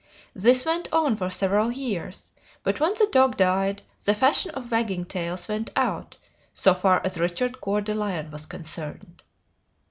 This went on for several years, but when the dog died, the fashion of wagging tails went out, so far as Richard Coeur de Lion was concerned.